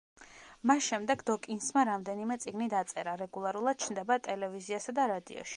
მას შემდეგ დოკინსმა რამდენიმე წიგნი დაწერა, რეგულარულად ჩნდება ტელევიზიასა და რადიოში.